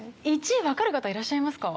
１位わかる方いらっしゃいますか？